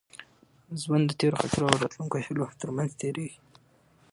ژوند د تېرو خاطرو او راتلونکو هیلو تر منځ تېرېږي.